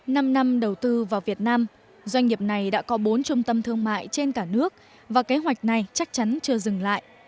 năm năm đầu tư vào việt nam doanh nghiệp này đã có bốn trung tâm thương mại trên cả nước và kế hoạch này chắc chắn chưa dừng lại